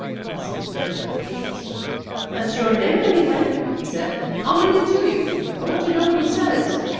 Blasi was fairly out of patience. "That's your name, any way," he said. "I'll read it to you; I want to know what he says."